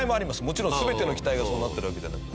もちろん全ての機体がそうなってるわけじゃなく。